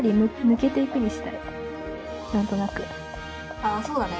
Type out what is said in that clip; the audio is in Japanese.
あそうだね